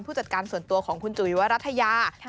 จัดการส่วนตัวของคุณจุ๋ยวรัฐยา